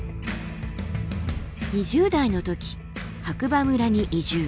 ２０代の時白馬村に移住。